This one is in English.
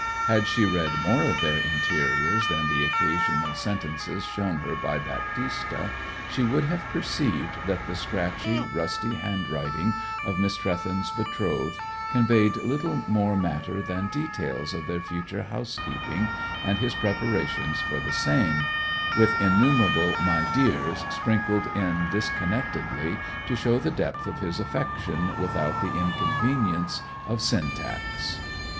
Had she read more of their interiors than the occasional sentences shown her by Baptista she would have perceived that the scratchy, rusty handwriting of Miss Trewthen's betrothed conveyed little more matter than details of their future housekeeping, and his preparations for the same, with innumerable 'my dears' sprinkled in disconnectedly, to show the depth of his affection without the inconveniences of syntax.